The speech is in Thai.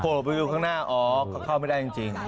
ออกไปดูข้างหน้าอ๋อเขาเข้าไม่ได้จริง